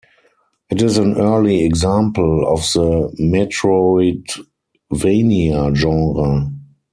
It is an early example of the Metroidvania genre.